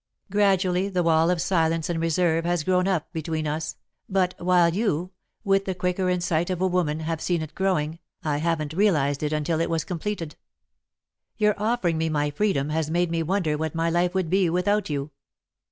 Gradually the wall of silence and reserve has grown up between us, but while you, with the quicker insight of a woman, have seen it growing, I haven't realised it until it was completed. "Your offering me my freedom has made me wonder what my life would be without you.